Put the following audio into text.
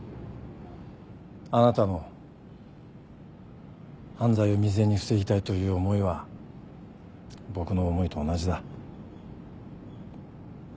あなたの犯罪を未然に防ぎたいという思いは僕の思いと同じだ。